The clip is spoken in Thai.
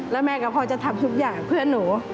แล้วแม่ก็พอจะทำทุกอย่างเพื่อนหนู